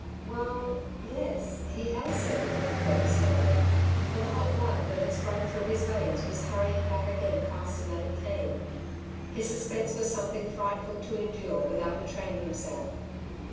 '''' Well, yes ; he has certainly,'' Delta stammered, for the hot blood that had sprung through his veins was hurrying back again faster than it came. His suspense was something frightful to endure without betraying himself.